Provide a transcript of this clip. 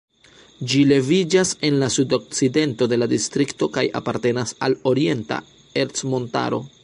Ĝi leviĝas en la sudokcidento de la distrikto kaj apartenas al Orienta Ercmontaro.